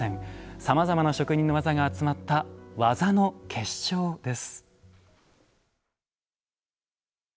さまざまな職人の技が集まった技の結晶です。